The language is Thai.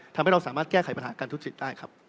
ทำให้เราสามารถแก้ไขปัญหาการทุจริตได้ครับ